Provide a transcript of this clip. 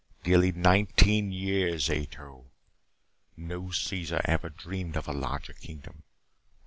Nearly nineteen years, Ato! No Caesar ever dreamed of a larger kingdom.